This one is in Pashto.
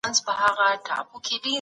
ایا ملي بڼوال انځر پروسس کوي؟